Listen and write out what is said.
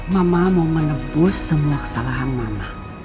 mama mau menebus semua kesalahan mama